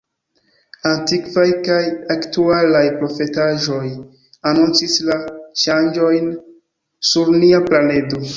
Antikvaj kaj aktualaj profetaĵoj anoncis la ŝanĝojn sur nia planedo.